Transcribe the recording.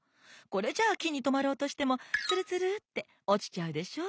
これじゃあきにとまろうとしてもツルツルっておちちゃうでしょ？